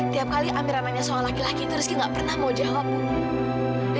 tiap kali amira nanya soal laki laki itu rizky nggak pernah mau jawab bu